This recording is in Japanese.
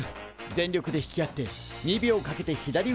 全力で引き合って２秒かけて左後ろに引く！